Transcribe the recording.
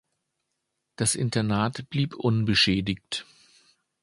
Das Internat blieb unbeschädigt.